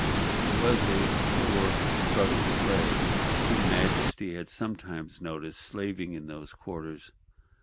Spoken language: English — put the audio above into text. '—It was for a poor brother slave, whom Majesty had sometimes noticed slaving in those quarters.